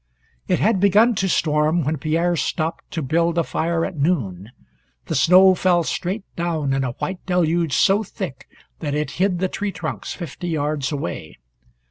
It had begun to storm when Pierre stopped to build a fire at noon. The snow fell straight down in a white deluge so thick that it hid the tree trunks fifty yards away.